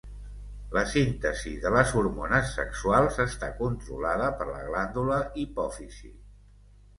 La síntesi de les hormones sexuals està controlada per la glàndula hipòfisi.